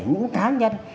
những cá nhân